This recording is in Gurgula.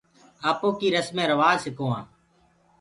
آپوڪيٚ رَسمين روآجَ سِڪووآنٚ۔